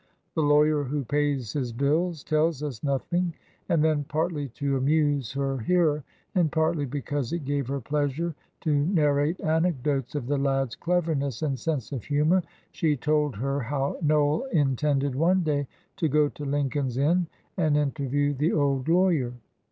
The lawyer, who pays his bills, tells us nothing;" and then, partly to amuse her hearer, and partly because it gave her pleasure to narrate anecdotes of the lad's cleverness and sense of humour, she told her how Noel intended one day to go to Lincoln's Inn and interview the old lawyer.